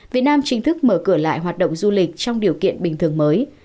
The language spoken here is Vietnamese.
việt nam chính thức mở cửa lại hoạt động du lịch trong điều kiện bình thường mới